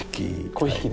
粉引。